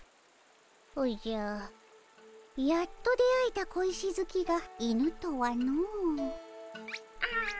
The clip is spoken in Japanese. おじゃやっと出会えた小石好きが犬とはの。